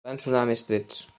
Van sonar més trets.